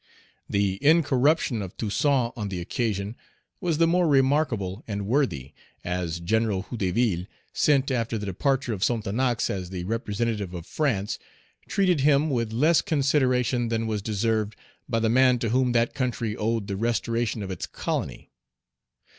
The incorruption of Toussaint on the occasion was the more remarkable and worthy, as General Hédouville, sent after the departure of Sonthonax as the representative of France, treated him with less consideration than was deserved by the man to whom that country owed the restoration of its colony.